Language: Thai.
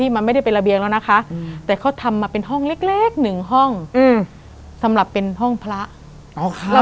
เราคิดเอาเองอืมเพราะอะไรคิดว่าเป็นห้องพระ